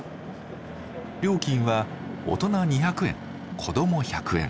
料金は大人２００円子ども１００円